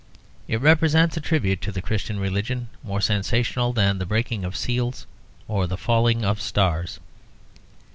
It represents a tribute to the Christian religion more sensational than the breaking of seals or the falling of stars.